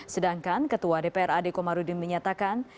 sedangkan ketua dpr ade komarudin menyatakan